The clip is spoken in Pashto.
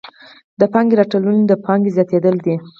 د پانګې راټولونه د پانګې زیاتېدل دي